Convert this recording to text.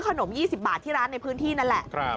๒๐บาทที่ร้านในพื้นที่นั่นแหละ